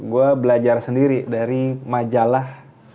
gue belajar sendiri dari majalah